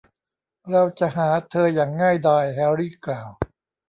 เราจะหาเธออย่างง่ายดาย แฮร์รี่กล่าว